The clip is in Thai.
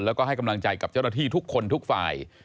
แล้วก็ให้กำลังใจกับเจ้าหน้าที่ทุกคนทุกฝ่าย